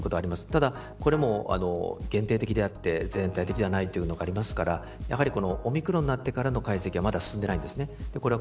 ただ、これも限定的であって全体的ではないというのがありますからオミクロンになってからの解析がまだ進んでないんです。